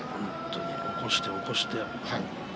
起こして起こして。